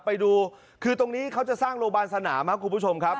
ไปดูคือตรงนี้เขาจะสร้างโรงพยาบาลสนามครับคุณผู้ชมครับ